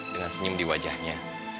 dengan senyum di wajahnya